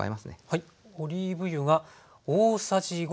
はい。